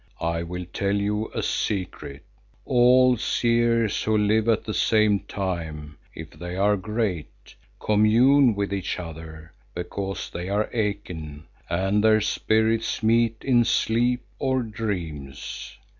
I will tell you a secret. All seers who live at the same time, if they are great, commune with each other because they are akin and their spirits meet in sleep or dreams.